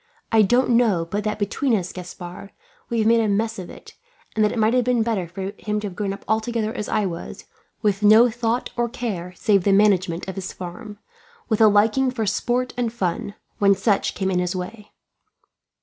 I don't know but that between us, Gaspard, we have made a mess of it; and that it might have been better for him to have grown up altogether as I was, with no thought or care save the management of his farm, with a liking for sport and fun, when such came in his way."